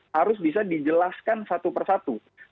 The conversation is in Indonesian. harus bisa dijelaskan satu persatu